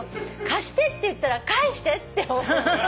貸してって言ったら返してって思うんです。